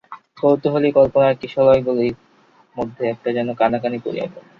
কৌতূহলী কল্পনার কিশলয়গুলির মধ্যে একটা যেন কানাকানি পড়িয়া গেল।